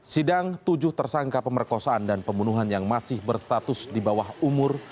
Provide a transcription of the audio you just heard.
sidang tujuh tersangka pemerkosaan dan pembunuhan yang masih berstatus di bawah umur